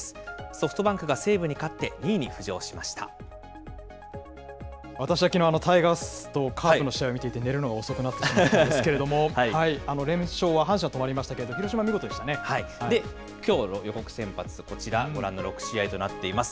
ソフトバンクが西武に勝って、私はきのう、タイガースとカープの試合を見ていて、寝るのが遅くなってしまったんですけれども、連勝は阪神は止まりましたけれども、広島、見きょうの予告先発、こちら、ご覧の６試合となっています